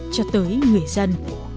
cho tới người dân